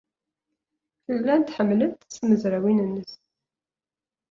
Llant ḥemmlent-t tmezrawin-nnes.